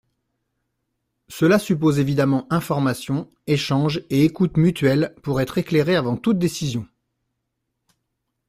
Cela suppose évidemment information, échange et écoute mutuelle pour être éclairé avant toute décision.